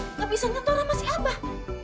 nggak bisa nyetor sama si abah